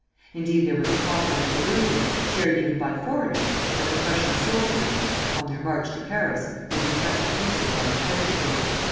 Indeed, there was a popular delusion, shared even by foreigners, that the Prussian soldiery, on their march to Paris, would be cut to pieces by the peasantry.